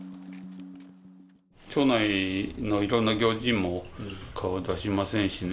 町内のいろんな行事にも顔を出しませんしね。